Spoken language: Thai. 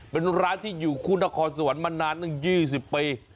เป็นร้านที่อยู่คู่นครสวรรค์มานานตั้ง๒๐ปี